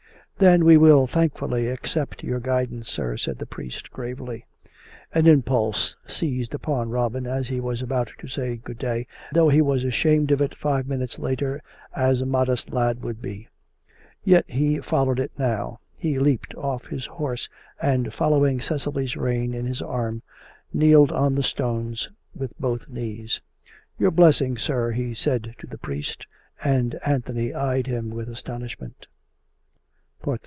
" Then we will thankfully accept your guidance, sir," said the priest gravely. An impulse seized upon Robin as he was about to say good day, though he was ashamed of it five minutes later as a modest lad would be. Yet he followed it now; he leapt off his horse and, holding Cecily's rein in his arm, kneeled on the stones with both knees. " Your blessing, sir," he said to the priest. And Anthony eyed him with astonishment.